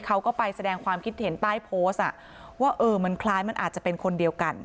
เขาก็ไปแสดงความคิดเห็นใต้โพสต์อ่ะว่าเออมันคล้ายมันอาจจะเป็นคนเดียวกัน